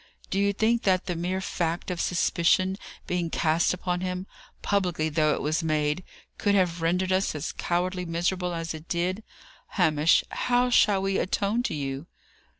"Do you think that the mere fact of suspicion being cast upon him, publicly though it was made, could have rendered us as cowardly miserable as it did? Hamish, how shall we atone to you?"